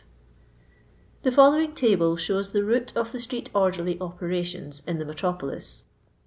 The following table shows the route of the street orderly operations in the metropolis.